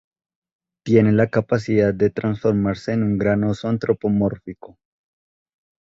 Tiene la capacidad de transformarse en un gran oso antropomórfico.